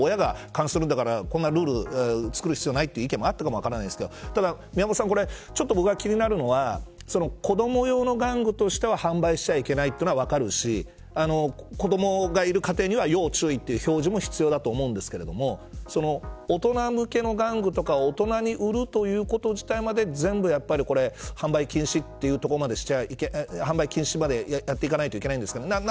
昔だったら親が見るんだからこんなルール作る必要ないという意見もあったかもしれないけれど宮本さん、僕が気になるのは子ども用の玩具としては販売してはいけないというのは分かるし子どもがいる家庭には要注意という表示も必要だと思うんですけれども大人向けの玩具とか大人に売るということ自体まで全部、販売禁止というところまでやっていかないといけないんですかね。